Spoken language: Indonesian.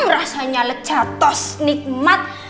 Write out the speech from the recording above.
rasanya lecatos nikmat